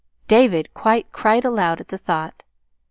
David quite cried aloud at the thought.